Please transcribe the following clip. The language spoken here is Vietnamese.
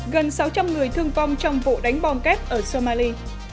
gần sáu trăm linh người thương vong trong vụ đánh bom kép ở somali